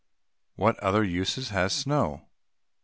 What other uses has snow?